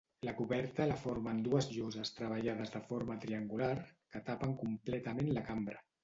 La coberta la formen dues lloses treballades de forma triangular, que tapen completament la cambra.